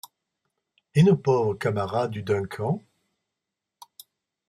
Et nos pauvres camarades du Duncan ?…